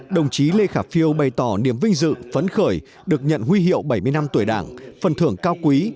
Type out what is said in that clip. đồng chí lê khả phiêu bày tỏ niềm vinh dự phấn khởi được nhận huy hiệu bảy mươi năm tuổi đảng phần thưởng cao quý